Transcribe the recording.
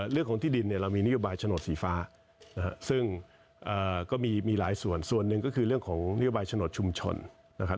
เรื่องของที่ดินเนี่ยเรามีนโยบายโฉนดสีฟ้าซึ่งก็มีหลายส่วนส่วนหนึ่งก็คือเรื่องของนโยบายโฉนดชุมชนนะครับ